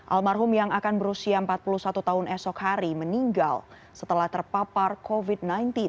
almarhum yang akan berusia empat puluh satu tahun esok hari meninggal setelah terpapar covid sembilan belas